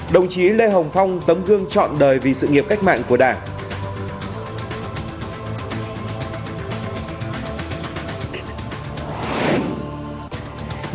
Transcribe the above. đồng chí lê hồng phong tấm gương chọn đời vì sự nghiệp cách mạng của đảng